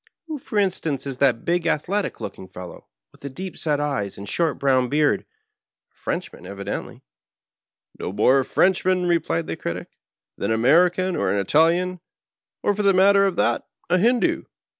Who, for instance, is that big, athletic looking fellow with the deep set eyes and short brown beard ? A Frenchman, evidently," " No more a Frenchman," re plied the Critic, " than an American, or an Italian, or, for the matter of that, a Hindoo.